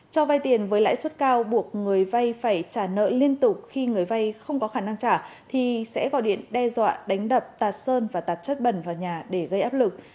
cho vay tiền với lãi suất cao buộc người vay phải trả nợ liên tục khi người vay không có khả năng trả thì sẽ gọi điện đe dọa đánh đập tạt sơn và tạt chất bẩn vào nhà để gây áp lực